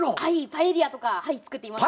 パエリアとか作っています。